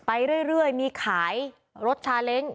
ไปเรื่อยมีขายรถชาเล้ง